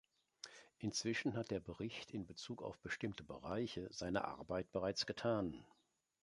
Inzwischen hat der Bericht in Bezug auf bestimmte Bereiche seine Arbeit bereits getan.